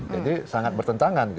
jadi sangat bertentangan